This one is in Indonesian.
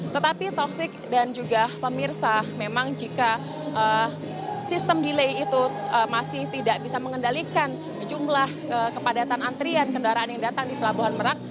tetapi taufik dan juga pemirsa memang jika sistem delay itu masih tidak bisa mengendalikan jumlah kepadatan antrian kendaraan yang datang di pelabuhan merak